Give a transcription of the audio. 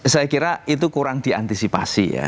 saya kira itu kurang diantisipasi ya